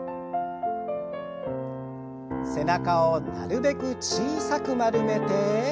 背中をなるべく小さく丸めて。